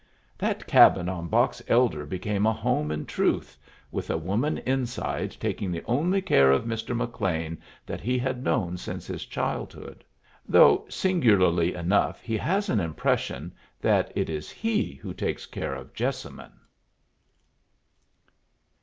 That cabin on Box Elder became a home in truth, with a woman inside taking the only care of Mr. McLean that he had known since his childhood: though singularly enough he has an impression that it is he who takes care of Jessamine!